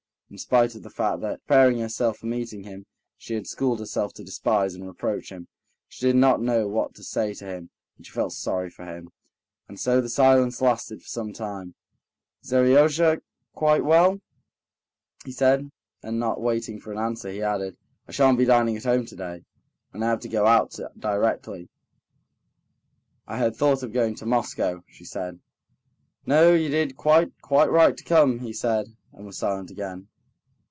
In spite of the fact that, preparing herself for meeting him, she had schooled herself to despise and reproach him, she did not know what to say to him, and she felt sorry for him. And so the silence lasted for some time. "Is Seryozha quite well?" he said, and not waiting for an answer, he added: "I shan't be dining at home today, and I have got to go out directly." "I had thought of going to Moscow," she said. "No, you did quite, quite right to come," he said, and was silent again.